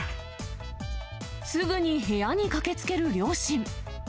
すぐに部屋に駆けつける両親。